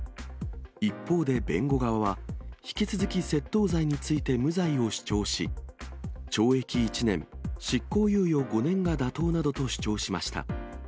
一方で弁護側は、引き続き窃盗罪について無罪を主張し、懲役１年、執行猶予５年が妥当などと主張しました。